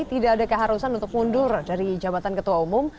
tidak ada keharusan untuk mundur dari jabatan ketua umum